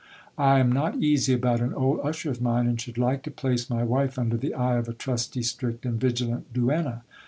I am not easy about an old usher of mine, and should like to place my wife under the eye of a trusty, strict, and vigilant duenna.